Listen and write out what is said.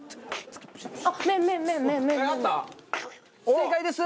正解です！